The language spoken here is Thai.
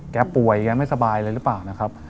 แกป่วยแกไม่สบายเลยหรือเปล่านะครับ